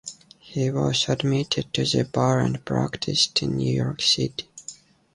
He was admitted to the bar and practiced in New York City.